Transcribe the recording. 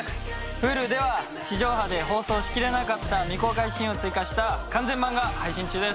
Ｈｕｌｕでは地上波で放送しきれなかった未公開シーンを追加した完全版が配信中です。